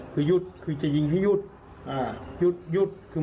แล้วผมยิงออกไปดูแล้ว